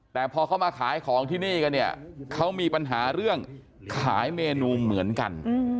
แต่พอเขามาขายของที่นี่กันเนี่ยเขามีปัญหาเรื่องขายเมนูเหมือนกัน